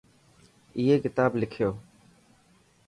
ائي ڪتاب لکيو.